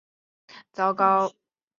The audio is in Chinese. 状况只会越来越糟糕